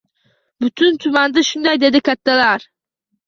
— Butun tumanda shunday, — dedi kattalar.